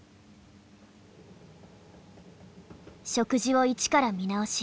食事を一から見直し